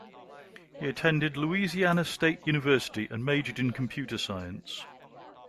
He attended Louisiana State University and majored in Computer Science.